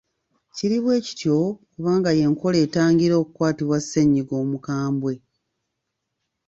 Kiri bwe kityo kubanga y’enkola etangira okukwatibwa ssennyiga omukambwe.